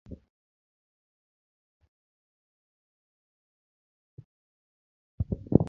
Kijasiri nok mor koda kaka thoth ji nokawo joma mine.